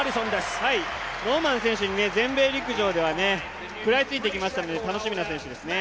ノーマン選手に全米陸上では食らいついてきましたので、楽しみな選手ですね。